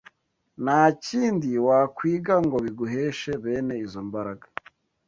Nta kindi wakwiga ngo biguheshe bene izo mbaraga